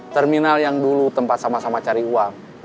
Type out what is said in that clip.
terminal yang dulu tempat sama sama cari uang